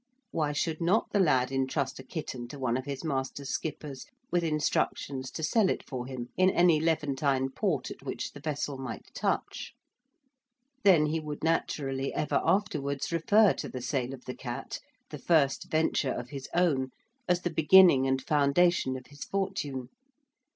Why should not the lad entrust a kitten to one of his master's skippers with instructions to sell it for him in any Levantine port at which the vessel might touch? Then he would naturally ever afterwards refer to the sale of the cat, the first venture of his own, as the beginning and foundation of his fortune.